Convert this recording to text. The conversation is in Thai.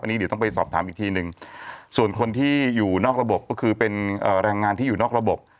อันนี้เดี๋ยวต้องไปสอบถามอีกทีหนึ่งส่วนคนที่อยู่นอกระบบก็คือเป็นแรงงานที่อยู่นอกระบบ